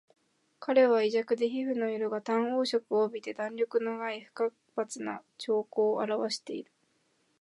彼は胃弱で皮膚の色が淡黄色を帯びて弾力のない不活発な徴候をあらわしている